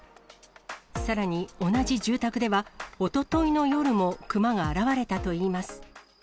さらに同じ住宅では、おとといの夜もクマが現れたといいます。